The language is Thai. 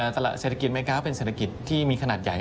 เศรษฐกิจอเมริกาเป็นเศรษฐกิจที่มีขนาดใหญ่